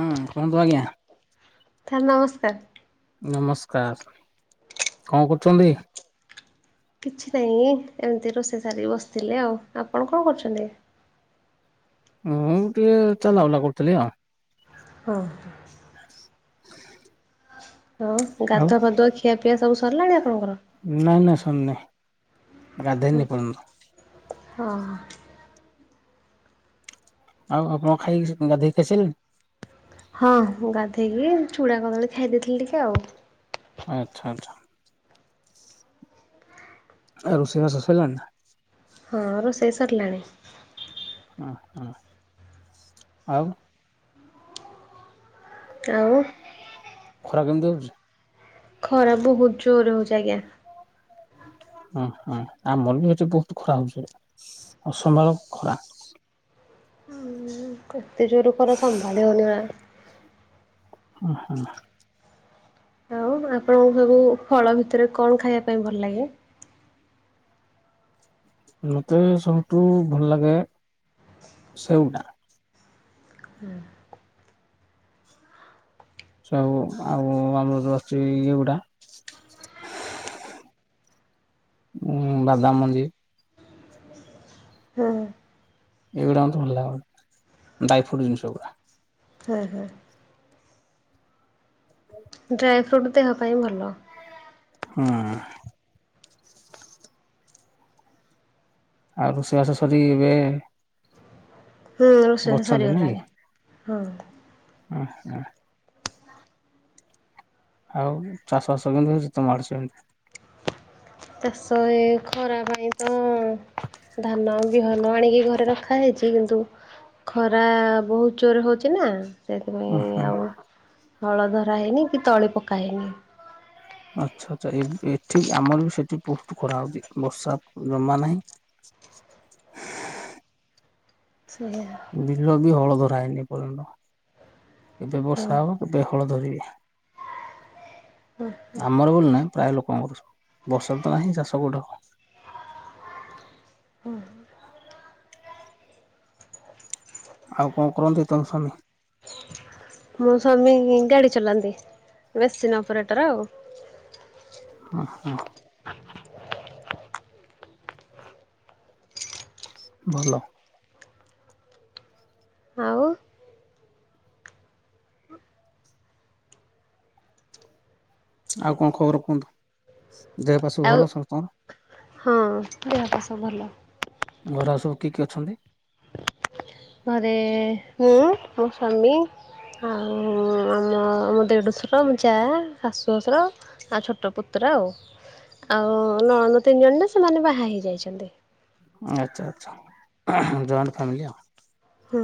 ହଁ କୁହନ୍ତୁ ଆଜ୍ଞା। ସାର୍ ନମସ୍କାର। ନମସ୍କାର କଁ କରୁଚନ୍ତି? କିଛି ନାଇଁ ଏମିତି ରୋଷେଇ ସାରିକି ବସିଥିଲି ଆଉ, ଆପଣ କଣ କରୁଚନ୍ତି? ମୁଁ ଟିକେ ଚଲା ବୁଲା କରୁଥିଲି ଆଉ। ହଁ। [inaudible] ହଁ ଆଉ ଗାଧୁଆ ଫାଧୁଆ ଖିଆ ପିଆ ସବୁ ସରିଲାଣି ଆପଣଙ୍କର? ନାଇଁ ନାଇଁ ସରିନେଇ, ଗାଧେଇନି ଏ ପର୍ଯ୍ୟନ୍ତ। ହଁ। ଆଉ ଆପଣ ଖାଇ ଗାଧେଇକି ଖାଇ ଶାଇଲେଣି? ହଁ ଗାଧେଇକି ଚୁଡ଼ା କଦଳୀ ଖାଇ ଦେଇଥିଲି ଟିକେ ଆଉ। ଆଚ୍ଛା ଆଚ୍ଛା। ଆ ରୋଷେଇ ବାସ ସଇଲାନି ନା? ହଁ ରୋଷେଇ ସରିଲାଣି। ହଁ ହଁ, ଆଉ। ଆଉ। ଖରା କେମତି ହୋଉଚି? ଖରା ବହୁତ ଜୋର ହଉଚି ଆଜ୍ଞା। ହୁଁ, ହୁଁ ଆମର ବି ଏଠି ବହୁତ ଖରା ହଉଛି, ଅସମ୍ଭାଳ ଖରା। ଉଁ, ହଁ କେତେ ଜୋରୁ ଖରା ସମ୍ଭାଳି ହଉନି ବା। ହଁ, ହଁ। ଆଉ ଆପଣଙ୍କୁ ସବୁ ଫଳ ଭିତରେ କଣ ଖାଇବା ପାଇଁ ଭଲ ଲାଗେ? ମୋତେ ସବୁଠୁ ଭଲ ଲାଗେ ସେଉ ଟା। ହୁଁ। ସେଉ ଆଉ ଆମର ଅଚି ଇଏ ଗୁଡା ଉଁ, ବାଦାମ ମଞ୍ଜି। ହଁ, ହଁ। ଏଇଗୁଡା ମୋତେ ଭଲ ଲାଗୁନ ଡ୍ରାଇଫ୍ରୁଟ୍ ଜିନିଷ ଗୁଡା। ହଁ, ହଁ। [inaudible] ଡ୍ରାଇଫ୍ରୁଟ୍ ଦେହ ପାଇଁ ଭଲ। ହଁ। ଆଉ ରୋଷେଇବାସ ସରିି ଏବେ ହୁଁ ରୋଷେଇ ବଛନ୍ତି ନାଇଁ ସରିଗଲାଣି କି? ହଁ ଅଁ, ହଁ। ଆଉ ଚାଷ ବାସ କେମିତି ହଉଚି ତୋମ ଆଡେ ସେମତି? ଚାଷ ଏ ଖରା ପାଇଁ ତ ଧାନ ବିହନ ଆଣିକି ଘରେ ରଖା ହେଇଛି, କିନ୍ତୁ ଖରା ବହୁତ ଜୋର ହଉଚି ନା। ସେଥିପାଇଁ ଉହୁଁ ଆଉ ହଳ ଧରା ହେଇନିକି ତଳି ପକା ହେଇନି। ଆଚ୍ଛା, ଆଚ୍ଛା ଏ ଏଠି ଆମର ବି ସେଠି ବହୁତ ଖରା ହଉଚି ବର୍ଷା ଜମା ନାହିଁ। ସେହିଆ। ବିଲ ବି ହଳ ଧରା ହେଇନି ଏପର୍ଯ୍ୟନ୍ତ, ଏବେ ବର୍ଷା ହବ ମୋ ଏବେ ହଳ ଧରିବେ, ଆମର ବୋଲି ନା ପ୍ରାୟ ଲୋକଙ୍କର ସବୁ, ବର୍ଷା ତ ନାହିଁ ଚାଷ କୋଉଠି ହବ। ହଁ। ଆଉ କଣ କରନ୍ତି ତୋମ ସ୍ବାମୀ? ମୋ ସ୍ୱାମୀ ଗାଡ଼ି ଚଲାନ୍ତି, ମେସିନ୍ ଅପରେଟର୍ ଆଉ। ଅଁ, ହଁ। ଭଲ। ଆଉ। ଆଉ କଣ ଖବର କୁହନ୍ତୁ। ଦେହ ପା ସବୁ ଆଉ ଭଲ ସମସ୍ତଙ୍କର? ହଁ ଦେହପା ସବୁ ଭଲ ଘରେ ଆଉ ସବୁ କିଏ କିଏ ଅଛନ୍ତି? ଘରେ ମୁଁ ମୋ ସ୍ୱାମୀ ଆଉ ଆମ ମୋ ଦେଡ଼ୁଶର ମୋ ଯା ଶାଶୁ ଶଶୁର ଆଉ ଛୋଟ ପୁତ୍ର ଆଉ, ଆଉ ନଣନ୍ଦ ତିନି ଜଣ ଯେ ସେମାନେ ବାହା ହେଇଯାଇଛନ୍ତି। ଆଚ୍ଛା, ଆଚ୍ଛା ଜଏଣ୍ଟ ଫ୍ୟାମିଲି ଆଉ।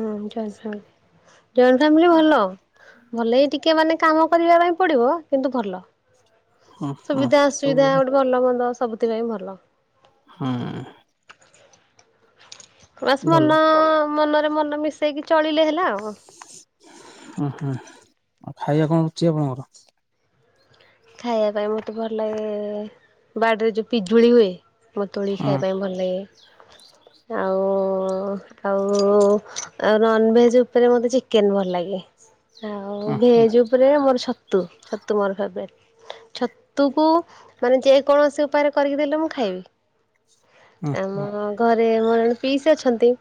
ହଁ ଜଏଣ୍ଟ ଫ୍ୟାମିଲି, ଜଏଣ୍ଟ ଫ୍ୟାମିଲି ଭଲ। ଭଲ ଏଇ ଟିକେ ମାନେ କାମ କରିବା ପାଇଁ ପଡିବ କିନ୍ତୁ ଭଲ। ଉହୁଁ ସୁବିଧା ସବୁ ଅସୁବିଧା ହୁଁ ଗୋଟେ ଭଲମନ୍ଦ ସବୁଥିପାଇଁ ଭଲ। ହୁଁ। ବାସ୍ ଭଲ ମନ-ଅ ମନରେ ମନ ମିଶେଇକି ଚଳିଲେ ହେଲା ଆଉ। ଉଁହୁଁ, ଆଉ ଖାଇବା କଣ ରୁଚି ଆପଣଙ୍କର? ଖାଇବା ପାଇଁ ମତେ ଭଲ ଲାଗେ-ଏ, ବାଡିରେ ଯୋଉ ପିଜୁଳି ହୁଏ। ମ ତୋଳି ହୁଁ ଖାଇବା ହୁଁ ପାଇଁ ଭଲ ଲାଗେ। ଆଉ-ଉ ଆଉ-ଉ ଆଉ ନନ୍ ଭେଜ ଉପରେ ମତେ ଚିକେନ୍ ଭଲ ଲାଗେ। ଆଉ ଭେଜ ଉପରେ ମୋର ଛତୁ! ଛତୁ ମୋର ଫେବ୍ରେଟ୍। ଛତୁକୁ ମାନେ, ଯେ କୌଣସି ଉପାୟରେ କରିକି ଦେଲେ ମୁଁ ଖାଇବି। ହୁଁ ଆମ ହୁଁ ଘରେ ମରଅଣେ ପିଇସି ଅଛନ୍ତି।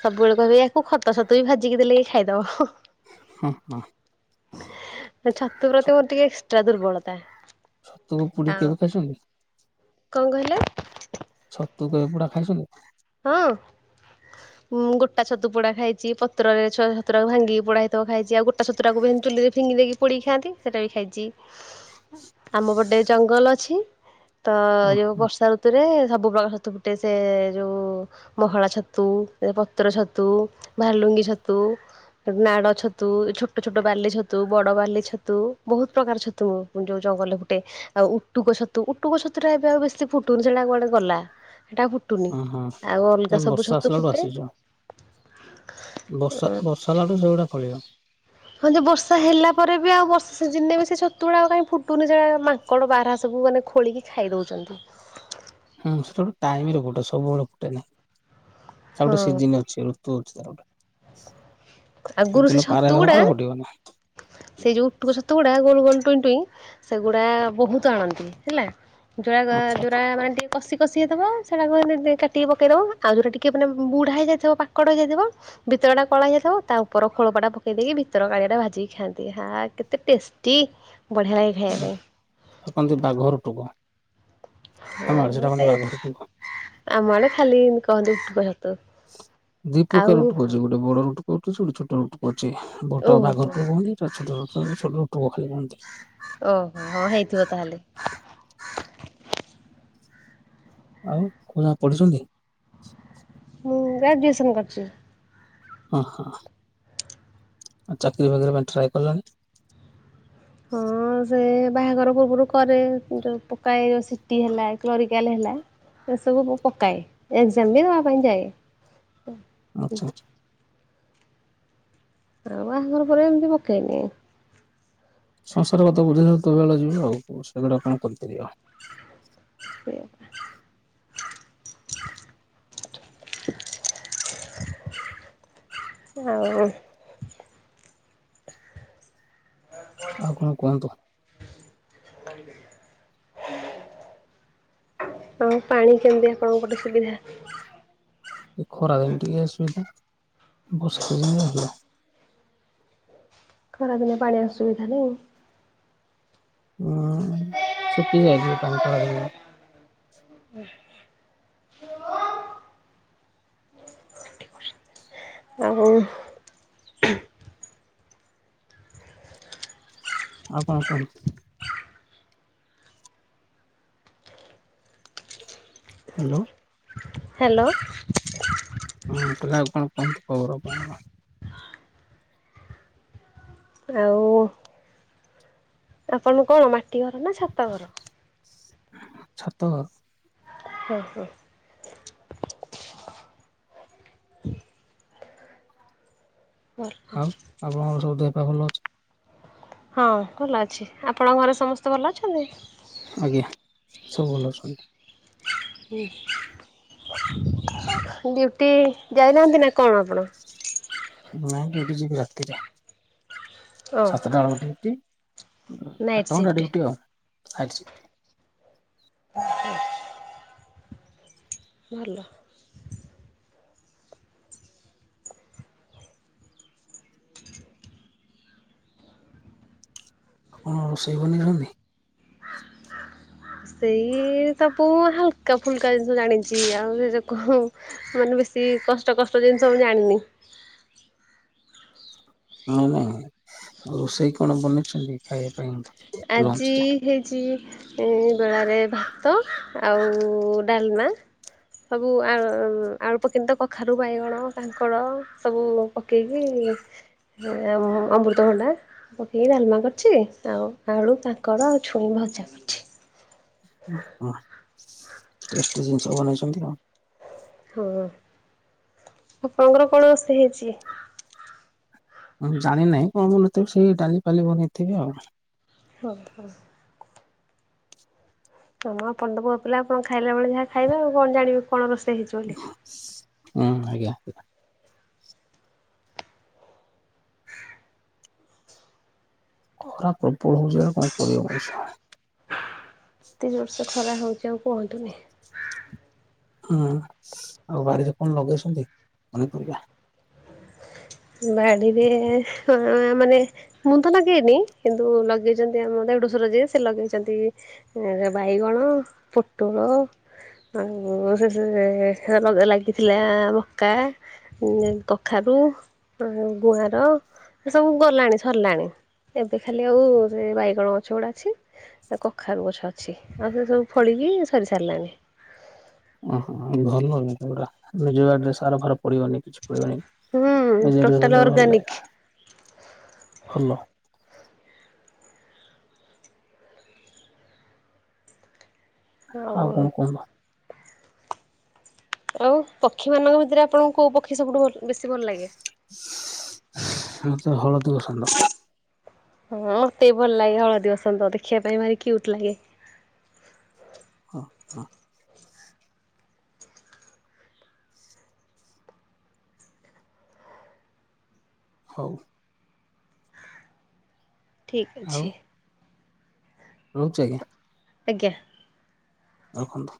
ସବୁବେଳେ କହିବେ ୟାକୁ ଖତ ଛତୁ ବି ଭାଜିକି ଦେଲେ ଖାଇଦବ। ହୁଁ, ହୁ। ଛତୁ ପ୍ରତି ମୋର ଟିକେ ଏକ୍ସଟ୍ରା ଦୁର୍ବଳତା। ଛତୁକୁ ପୁଡିକି ଆଉ କେବେ ଖାଇଛନ୍ତି? କଣ କହିଲେ? ଛତୁ କେବେ ପୁଡା ଖାଇଛନ୍ତି? ହଁ। ଉମ୍ ଗୋଟା ଛତୁ ପୋଡ଼ା ଖାଇଛି। ପତ୍ରରେ ଛ-ଛତୁଟା କୁ ଭାଙ୍ଗି ପୋଡ଼ା ହେଇଥିବ ଖାଇଚି। ଆଉ ଗୋଟା ଛତୁଟାକୁ ବି ହେନ୍ ଚୁଲିରେ ଫିଙ୍ଗି ଦେଇକି ପୋଡିକି ଖାଆନ୍ତି, ସେଟା ବି ଖାଇଛି। ଆମ ପଟେ ଜଙ୍ଗଲ ଅଛି। ତ ଉଁ ଯୋଉ ହୁଁ ବର୍ଷା ଋତୁରେ ସବୁ ପ୍ରକାର ଛତୁ ଫୁଟେ ସେ-ଏ ଯଉଁ ମହଳା ଛତୁ, ପତ୍ର ଛତୁ, ଭାଲୁଙ୍ଗି ଛତୁ, ନାଡ ଛତୁ, ଛୋଟ ଛୋଟ ବାଲି ଛତୁ, ବଡ ବାଲି ଛତୁ, ବହୁତ ପ୍ରକାର ଛତୁ ତୁ ଯଉଁ ଜଙ୍ଗଲରେ ଫୁଟେ। ଆଉ ଉଟୁକ ଛତୁ, ଉଟୁକ ଛତୁ ଟା ଏବେ ଆଉ ବେଶୀ ଫୁଟୁନି। ସେଟା କୁଆଡେ ଗଲା। ହେଟା ଫୁଟ୍ ଓହଁ, ତା ବର୍ଷା ଆସିଲା ବେଳୁ ଫୁଟେ ଆସିଚ। ବର୍ଷା, ବର୍ଷା, ହେଲାଠୁ ସେଗୁଡା ଫଳିବ। ହଁ, ଯେ ବର୍ଷା ହେଲା ପରେ ବି, ଆଉ ବର୍ଷା ସିଜିନ୍ ରେ ବି ସେ ଛତୁଗୁଡ଼ା ଆଉ କାହିଁ ଫୁଟୁନି ଯେ ଆ ମାଙ୍କ କଣ ବାରାହା ସବୁ ମାନେ ଖୋଳିକି ଖାଇ ଦଉଛନ୍ତି। ହୁଁ ସେଟା ଗୁଟେ ଟାଇମ୍ ରେ ଫୁଟେ ସବୁବେଳେ ଫୁଟେନି। ତାର୍ ହଁ ଗୋଟେ ସିଜିନ୍ ଅ ସେ ଋତୁ ଅଛି ତାର। ଆଗରୁ ସେ ସେଦିନ ପାର ହେଇଗଲା ଛତୁଗୁଡା ପରେ ଆଉ ଫୁଟିବନି। ସେଇ ଯୋଉ ଉଟୁକ ଛତୁ ଗୁଡା ଗୋଲ ଗୋଲ ଟୁଇଁ ଟୁଇଁ, ସେଗୁଡା ବହୁତ ଆଣନ୍ତି ହେଲା। ଯୋରଗ, ଆଚ୍ଛା ଆଚ୍ଛା। ଯୋରା-ଆ ମାନେ ଟିଏ କଷି କଷି ହେଇଥବ, ସେଇଡାକ ଦି ଦି କାଟିକି ପକେଇ ଦେବ। ଆଉଯଉରା ଟିକେ ମାନେ ବୁଢ଼ା ହୋଇଯାଇଥିବ, ପାକଡ଼ ହେଇଯାଇଥିବ ଭିତଳଟା କଳା ହେଇଯାଇଥିବ ତା ଉପର ଖୋଳପଟା ପକେଇ ଦେଇକି ଭିତର କାଳିଆଟା ଭାଜିକି ଖାଆନ୍ତି ଆହା କେତେ ଟେଷ୍ଟି! ବଢିଆ ଲାଗେ, ଖାଇଆ ପାଇଁ। ଆକନ୍ତି ତା ଘର ଟୁଗୁ ହଁ, ଏଇ ରୁଟୁକ। ଆମଡେ, ଖାଲି ଇଁତି କହନ୍ତି ଉଟୁକ ଛତୁ। ଦି ଆଉ ପ୍ରକାର ରୁଟୁକ ଅଛି। ଗୋଟେ ବଡ ରୁଟୁକ କୋଉଠ ଅଛି। ଗୋଟେ ଛୁଟ ରୁଟୁକ ଅଛି। ବଡ ଟାକୁ ଓହୋ ବାଘରୁଟୁକ କୁହନ୍ତି। ତା ଛୋଟରୁଟୁ, ଛୋଟ ରୁଟୁକ ଖାଲି କୁହନ୍ତି। ଓହୋ! ହଁ ହେଇଥିବ ତାହେଲେ। ଆଉ କଉଁ ଯାଏ ପଢିଛନ୍ତି? ମୁଁ, ଗ୍ରାଜୁଏସନ୍ କରିଚି। ଅ, ହଁ ଚାକିରୀ ବାକିର ପାଇଁ ଟ୍ରାଏ କଲନି? ହଁ। ସେ ବାହାଘର ପୂର୍ବରୁ କରେ, ଯୋଉ ପକାଏ ସିଟି ହେଲା, କ୍ଲରିକାଲ୍ ହେଲା ଏସବୁ କୁ ପକାଏ। ଏକ୍ଜାମ୍ ବି ଦବା ପାଇଁ ଯାଏ। ଆଛ ଆଛା। ଆଉ ବାହାଘର ପରେ ଏମିତି ପକାଏନି ଆଉ। ସଂସାର କଥା ବୁଝିଲା ବେଳ କୁ ତ ବେଳେ ଯିବ ଆଉ କୋଉ ସେଗୁଡା କଣ ଆଉ କରିପାରିବ। ସେଇଆ। ଆଉ। ଆଉ କଣ କୁହନ୍ତୁ। ହୁ ଆଉ ପାଣି କେମିତି ଆପଣଙ୍କ ପଟେ ସୁବିଧା। ଏ ଖରାଦିନ ଟିକେ ଅସୁବିଧା ବର୍ଷା ଦିନେ ଭଲ। ଖରା ଦିନେ ପାଣି ଅସୁବିଧା ନାହିଁ। ହୁଁ ଶୁଖିଯାଏ ଟିକେ ପାଣି ଖରା ଦିନରେ। ଓ। ଓ ହୋ। ଆଉ କଣ କୁହନ୍ତୁ। ହାଲୋ। ହାଲୋ। ହଁ କହିଲି ଆଉ କଣ କୁହନ୍ତୁ ଖବର କଣ। ଆଉ। ଆପଣଙ୍କ ମାଟି ଘର ନା ଛାତ ଘର। ଛାତ ଘର। ହୁଁ ହୁଁ। ଆଉ [inaudible] ଆପଣଙ୍କର ସବୁ ଦେହ ପା ଭଲ ଅଛି। ହଁ ଭଲ ଅଛି ଆପଣଙ୍କ ଘରେ ସମସ୍ତେ ଭଲ ଅଛନ୍ତି। ଆଜ୍ଞା ସବୁ ଭଲ ଅଛନ୍ତି ‌। ହୁଁ ଡ୍ୟୁଟି ଯାଇ ନାହାନ୍ତି ନା କଣ ଆପଣ। ନାଇଁ ଡ୍ୟୁଟି ଯିବି ରାତିରେ ଓ ସାତଟା ବେଳକୁ ଡି ଟି ଆଠ ନାଇଟ୍ ଘଣ୍ଟା ସିଫ୍ଟ ଡିଉ୍ଟି ଆଉ ନାଇଟ ସିପ୍ଟ। ଭଲ। ଆପଣ ରୋଷେଇ ବନେଇ ଯାଣନ୍ତି। ସେଇ ସବୁ ହାଲକା ଫୁଲକା ଜିନିଷ ଜାଣିଛି ଆଉ ସେ ଯୋଉ କୁ ମାନ ବେଶୀ କଷ୍ଟ କଷ୍ଟ ଜିନିଷ ମୁଁ ଜାଣିନି। ନାଇଁ ନାଇଁ ଆଉ ରୋଷେଇ କଣ ବନେଇଛନ୍ତି ଖାଇବା ପାଇଁ। ଲଞ୍ଚ ଆଜି। ଟା ହେଇଛି ବେଳାରେ ଭାତ ଆଉ ଡାଲମା। ସବୁ ଆ ଆଳୁ ପକେଇନି ତ କଖାରୁ ବାଇଗଣ କାଙ୍କଣ ସବୁ। ପକେଇକି ଅମୃତଭଣ୍ଡା ପକେଇକି ଡାଲମା କରିଛି ଆଉ। ଆଳୁ କାଙ୍କଡ଼ ଆଉ ଛୁଇଁ ଭଜା କରିଛି। ଓ ହୋ ଟେଷ୍ଟି ଜିନିଷ ବନେଇଛନ୍ତି ଆଉ। ହଁ ଆପଣଙ୍କର କଣ ରୋସେଇ ହେଇଛି। ହଁ ଜାଣିିନେହିଁ କଣ ବନେଇ ଥିବେ ସେଇ ଡାଲିପାଲି ବନେଇ ଥିବେ ଆଉ। ହଁ ହଁ। ହଁ ଆପଣ ତ ପୁଅ ପିଲା ଆପଣ ଖାଇଲା ବେଳେ ଯାହା ଖାଇବେ ଆଉ କଣ ଜାଣିବେ କଣ ରୋଷେଇ ହେଇଛି ବୋଲି। ଉଁ ଆଜ୍ଞା। ଖରା ପ୍ରବଳ ହଉଛି ଆଉ କଣ କରିବ ମଣିଷ। ଏତେ ଜୋର୍ଷ ଖରା ହେଉଚି ଆଉ କୁହନ୍ତୁନି। ହୁଁ ଆଉ ବାରିରେ କଣ ଲଗେଇଛନ୍ତି ପନିପରିବା? ବାଡ଼ିରେ ହଁ ମାନେ ମୁଁତ ଲଗେଇନି କିନ୍ତୁ ଲଗେଇଚନ୍ତି ଆମ ଦେଡ଼ୁସୁର ଯିଏ ସିଏ ଲଗେଇଚନ୍ତି ଏ ବାଇଗଣ ପୋଟଳ [unintelligible] ଲାଗିଥିଲା ମକା ଉଁ କଖାରୁ ଗୁଆଁର ସେସବୁ ଗଲାଣି ସରିଲାଣି ଏବେ ଖାଲି ଆଉ ସେବାଇଗଣ ଗଛ ଗୁଡ଼ା ଅଛି। ଆଉ କଖାରୁ ଗଛ ଅଛି ଆଉ ସେସବୁ ଫଳିକି ସରି ସାରିଲାଣି। ଓହୋ ଭଲ ଯିନିଷ ଗୁଡ଼ା ଜୋଉ ବାଡ଼ିରେ ସାର ଫାର ପଡ଼ିବନି। କିଛି ପଡ଼ିବନି ହୁଁ ଟୋଟାଲ [unintelligible] ଭଲ ଲାଗେ ଅର୍ଗାନିକ୍ ଭଲ। ଆଉ କଣ କହନ୍ତୁ? ଆଉ ପକ୍ଷୀମାନଙ୍କ ଭିତରେ ଆପଣଙ୍କୁ କେଉଁ ପକ୍ଷୀ ସବୁଠୁ ଭଲ ବେଶୀ ଭଲ ଲାଗେ। ମୋତେ ହଳଦୀ ବସନ୍ତ। ହଁ ମତେବି ଭଲଲାଗେ ହଳଦୀ ବସନ୍ତ ଦେଖିବା ପାଇଁ ଭାରି କ୍ୟୁଟ୍ ଲାଗେ। ହଁ ହଁ। ହଉ। ଠିକ୍ ଅଛି। ରହୁଚି ଆଜ୍ଞା। ଆଜ୍ଞା। ରଖନ୍ତୁ।